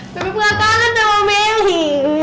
tapi gue gak kaget sama beli